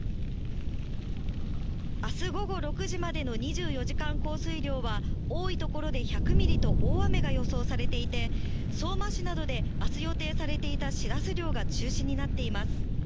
あす午後６時までの２４時間降水量は、多い所で１００ミリと、大雨が予想されていて、相馬市などであす予定されていたシラス漁が中止になっています。